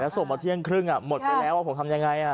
แล้วสกบันเที่ยงครึ่งอ่ะหมดไปแล้วว่าผมทำอย่างไงอ่า